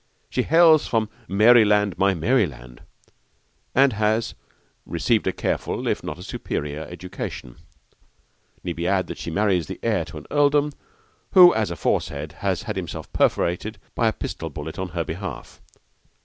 She hails from 'Maryland, my Maryland!' and has 'received a careful, if not a superior, education.' Need we add that she marries the heir to an earldom who, as aforesaid, has had himself perforated by a pistol bullet on her behalf?